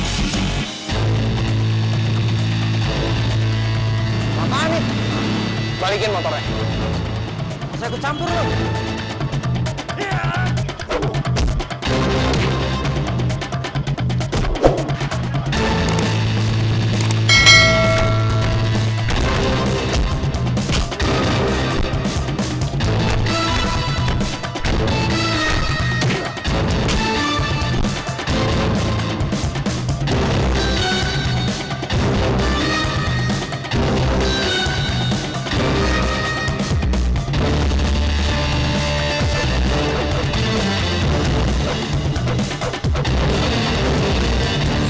sampai jumpa di video selanjutnya